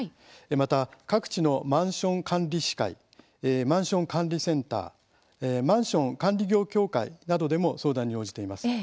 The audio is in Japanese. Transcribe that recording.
また、各地のマンション管理士会マンション管理センターマンション管理業協会などでも相談に応じています。